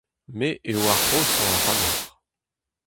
Me eo ar c'hoshañ ac'hanoc'h.